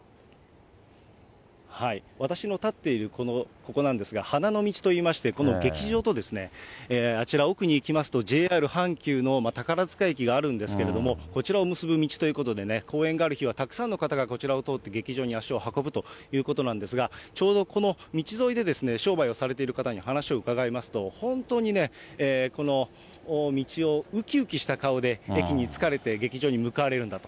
私の立っているここなんですが、はなの道といいまして、この劇場と、あちら奥に行きますと、ＪＲ阪急の宝塚駅があるんですけれども、こちらを結ぶ道ということでね、公演がある日はたくさんの方がこちらを通って劇場に足を運ぶということなんですが、ちょうどこの道沿いで商売をされてる方に話を伺いますと、本当にこの道をうきうきした顔で駅に着かれて、劇場に向かわれるんだと。